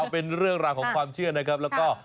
เป็นเรื่องราวของความเชื่อนะครับแล้วก็